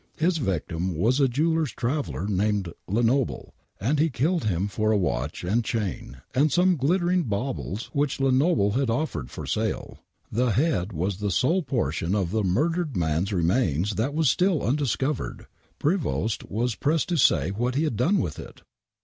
His victim was a jeweller's traveller named Lenoble; and he killed him for a watch >^nd chain and some glittering baubles which Lenoble offered for sale. The head was the sole portion of the murdered man's remains that was still undiscovered. Prevost was pressed to say what he had done with it.